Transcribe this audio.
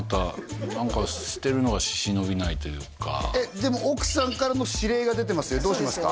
でも奥さんからの指令が出てますよどうしますか？